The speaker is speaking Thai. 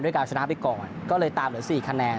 การชนะไปก่อนก็เลยตามเหลือ๔คะแนน